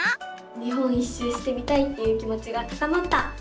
日本一周してみたいっていう気もちが高まった！